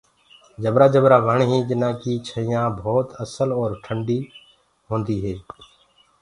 جبرآ جبرآ وڻ هينٚ جنآ ڪي ڇِيآنٚ ڀوت اسل اور ٽنڏي هوندي هي۔